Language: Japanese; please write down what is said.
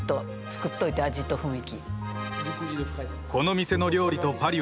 作っといて味と雰囲気。